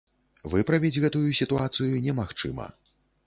Выправіць гэтую сітуацыю немагчыма.